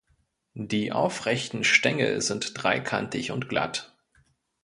Die aufrechten Stängel sind dreikantig und glatt.